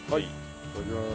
いただきます。